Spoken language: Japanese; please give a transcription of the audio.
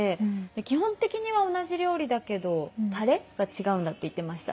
基本的には同じ料理だけどタレが違うんだって言ってました